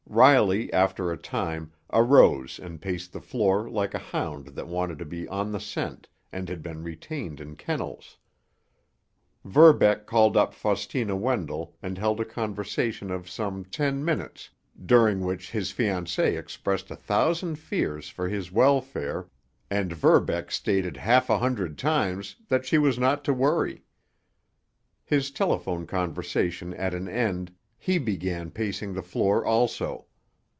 Riley, after a time, arose and paced the floor like a hound that wanted to be on the scent and had been retained in kennels. Verbeck called up Faustina Wendell and held a conversation of some ten minutes, during which his fiancée expressed a thousand fears for his welfare, and Verbeck stated half a hundred times that she was not to worry. His telephone conversation at an end, he began pacing the floor also.